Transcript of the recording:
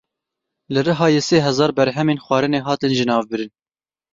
Li Rihayê sê hezar berhemên xwarinê hatin jinavbirin.